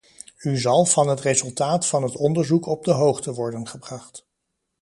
U zal van het resultaat van het onderzoek op de hoogte worden gebracht.